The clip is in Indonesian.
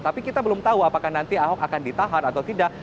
tapi kita belum tahu apakah nanti ahok akan ditahan atau tidak